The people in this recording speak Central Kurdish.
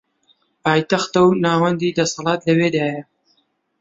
پایتەختە و ناوەندی دەسەڵات لەوێدایە